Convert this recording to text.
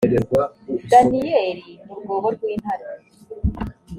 daniyeli mu rwobo rw intare